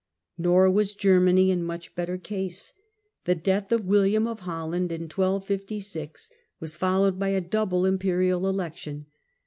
Nor was Germany in much better case. The death of William of Holland in 1256 was followed by a double imperial election.